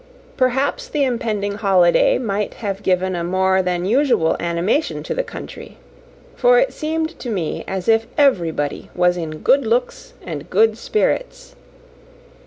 Perhaps the impending holiday might have given a more than usual animation to the country, for it seemed to me as if everybody was in good looks and good spirits.